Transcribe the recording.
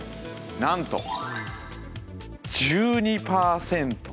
なんと１２％。